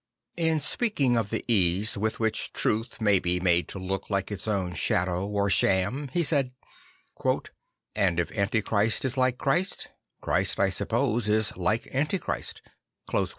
In speaking of the ease with which truth may be made to look like its own shadow or sham, he said, II And if Antichrist is like Christ, Christ I suppose is like Antichrist."